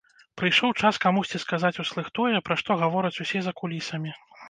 Прыйшоў час камусьці сказаць услых тое, пра што гавораць усе за кулісамі.